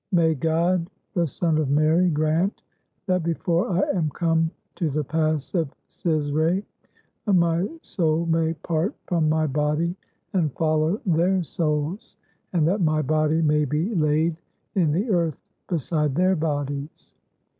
May God, the son of Mary, grant that be fore I am come to the pass of Cizre, my soul may part from my body, and follow their souls, and that my body may be laid in the earth beside their bodies."